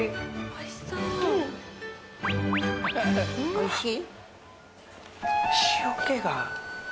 おいしい？